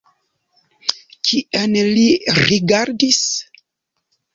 Kien li rigardis?